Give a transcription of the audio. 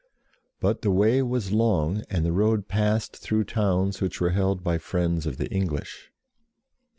But the way was long, and the road passed through towns which were held by friends of the English.